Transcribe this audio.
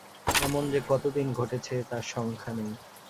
এমন যে কতদিন ঘটেছে তার সংখ্যা নেই।